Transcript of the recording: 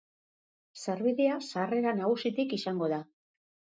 Sarbidea sarrera nagusitik izango da.